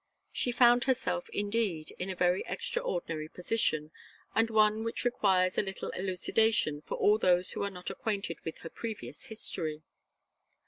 She found herself, indeed, in a very extraordinary position, and one which requires a little elucidation for all those who are not acquainted with her previous history.